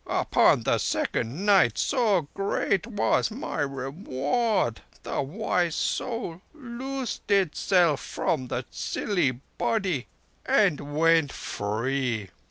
Upon the second night—so great was my reward—the wise Soul loosed itself from the silly Body and went free.